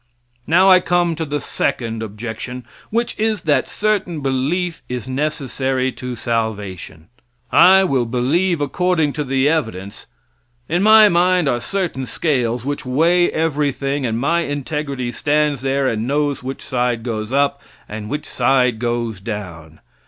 Now I come to the second objection, which is that certain belief is necessary to salvation. I will believe according to the evidence. In my mind are certain scales, which weigh everything, and my integrity stands there and knows which side goes up and which side goes down.